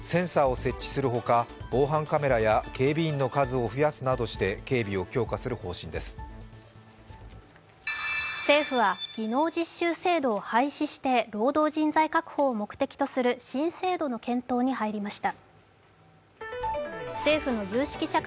善光寺では今後、センサーを設置するほか、防犯カメラや警備員の数を増やすなどして政府は技能実習制度を廃止して労働人材確保を目的とする新制度の検討に入りました。